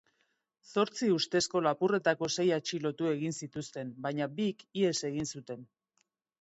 Zortzi ustezko lapurretako sei atxilotu egin zituzten, baina bik ihes egin zuten.